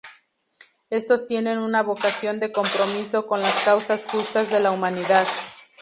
Estos tienen una vocación de compromiso con las causas justas de la humanidad.